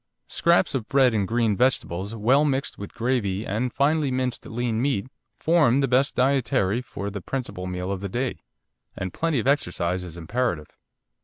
Scraps of bread and green vegetables well mixed with gravy and finely minced lean meat form the best dietary for the principal meal of the day, and plenty of exercise is imperative.